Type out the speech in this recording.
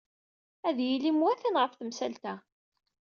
Ad yili mwatan Ɣef temsalt-a.